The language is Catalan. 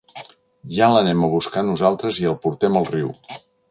Ja l'anem a buscar nosaltres i el portem al riu.